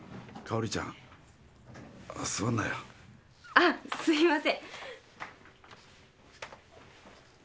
あっすいません。